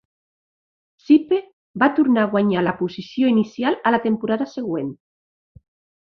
Sipe va tornar a guanyar la posició inicial a la temporada següent.